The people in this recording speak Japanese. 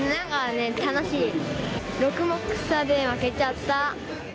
６目差で負けちゃった。